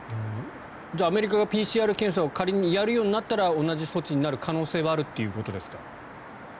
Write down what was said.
じゃあアメリカがＰＣＲ検査を仮にやるようになったら同じ措置になる可能性はあるということですか。